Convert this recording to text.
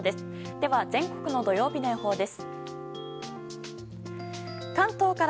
では、全国の土曜日の予報です。